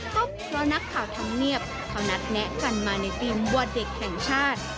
ก็เพราะนักข่าวธรรมเนียบเขานัดแนะกันมาในทีมว่าเด็กแห่งชาติ